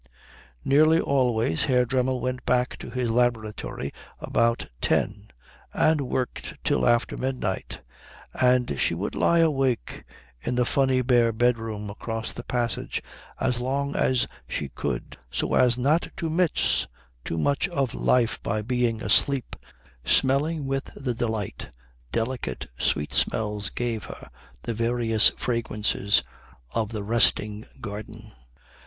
Nearly always Herr Dremmel went back to his laboratory about ten and worked till after midnight; and she would lie awake in the funny bare bedroom across the passage as long as she could so as not to miss too much of life by being asleep, smelling with the delight delicate sweet smells gave her the various fragrances of the resting garden.